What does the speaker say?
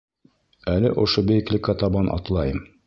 Әле ошо бейеклеккә табан атлайым.